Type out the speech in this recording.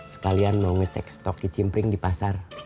sekalian mau ngecek stok kicimpring di pasar